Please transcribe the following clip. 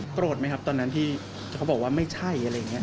โกรธไหมครับตอนนั้นที่เขาบอกว่าไม่ใช่อะไรอย่างนี้